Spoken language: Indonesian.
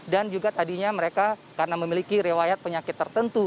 dan juga tadinya mereka karena memiliki rewayat penyakit tertentu